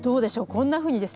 こんなふうにですね